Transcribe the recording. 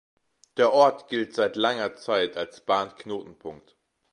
Der Ort gilt seit langer Zeit als Bahnknotenpunkt.